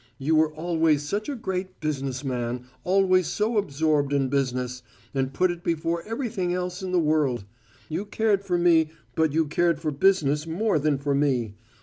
You were always such a great `business man,' always so absorbed in business, and put it before everything else in the world. You cared for me, but you cared for business more than for me.